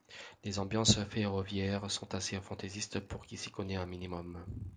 Les ambiances ferroviaires sont assez fantaisistes pour qui s'y connait un minimum.